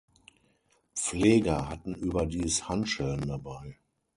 Pfleger hatten überdies Handschellen dabei.